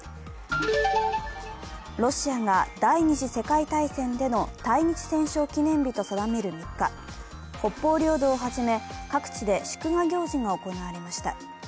ロシアが第二次世界大戦での対日戦勝記念日と定める３日、北方領土をはじめ各地で祝賀行事が行われました。